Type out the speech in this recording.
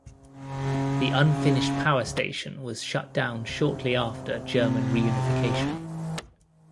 The unfinished power station was shut down shortly after German reunification.